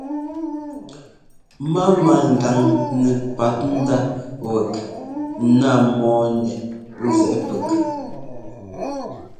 Máama ŋgaŋ nɛpat ndá wɛk ńná mɔ́ɔ nɛ nzɛꞌɛ́ pɛk.